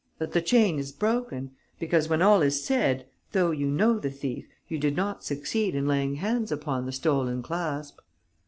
But the chain is broken, because, when all is said, though you know the thief, you did not succeed in laying hands upon the stolen clasp."